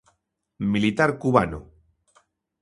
Militar cubano.